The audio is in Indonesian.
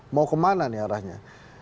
mau kemana nih arahnya